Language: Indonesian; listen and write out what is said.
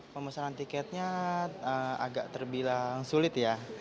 pemesanan tiketnya agak terbilang sulit ya